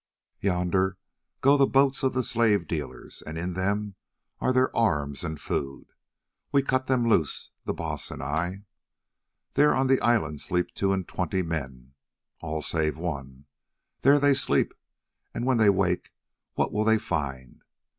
"Yonder go the boats of the slave dealers, and in them are their arms and food. We cut them loose, the Baas and I. There on the island sleep two and twenty men—all save one: there they sleep, and when they wake what will they find?